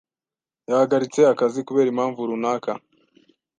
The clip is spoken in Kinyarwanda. Yahagaritse akazi kubera impamvu runaka.